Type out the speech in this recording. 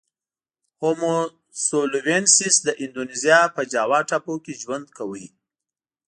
هومو سولوینسیس د اندونزیا په جاوا ټاپو کې ژوند کاوه.